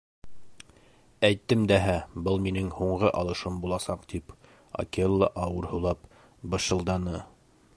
— Әйттем дәһә, был минең һуңғы алышым буласаҡ тип, — Акела ауыр һулап бышылданы.